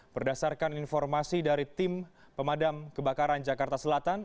berdasarkan informasi dari tim pemadam kebakaran jakarta selatan